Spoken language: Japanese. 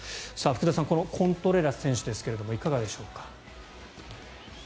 福田さんコントレラス選手ですがいかがでしょうか。